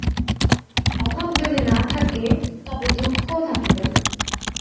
অভাব যদি না থাকে, তবে দুঃখও থাকিবে না।